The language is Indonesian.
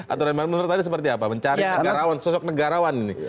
aturan yang menurut tadi seperti apa mencari negarawan sosok negarawan ini